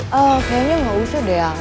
kayaknya gak usah deh ya